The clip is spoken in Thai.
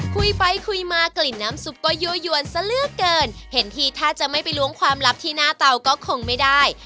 คุยไปคุยมากลิ่นน้ำซุปก็ยั่วยวนซะเหลือเกินเห็นทีถ้าจะไม่ไปล้วงความลับที่หน้าเตาก็คงไม่ได้